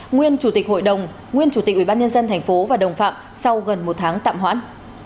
nguyên chủ tịch hội đồng nguyên chủ tịch ubnd tp và đồng phạm sau gần một tháng tạm hoãn